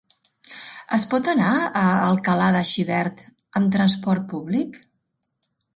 Es pot anar a Alcalà de Xivert amb transport públic?